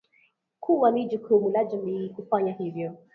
kuwa ni jukumu la jamii kufanya hivyo